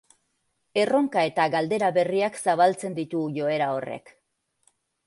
Erronka eta galdera berriak zabaltzen ditu joera horrek.